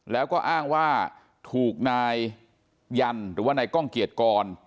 แล้วก็อ้างว่าถูกนายยันหรือว่านายกล้องเกียรติกร